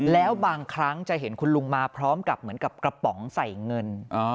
แล้วบางครั้งจะเห็นคุณลุงมาพร้อมกับเหมือนกับกระป๋องใส่เงิน